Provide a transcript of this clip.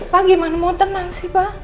pa gimana mau tenang sih pa